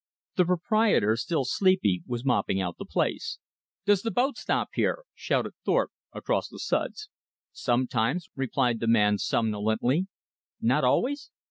The proprietor, still sleepy, was mopping out the place. "Does that boat stop here?" shouted Thorpe across the suds. "Sometimes," replied the man somnolently. "Not always?"